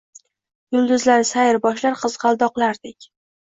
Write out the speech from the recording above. Yulduzlar sayr boshlar qizg’aldoqlardek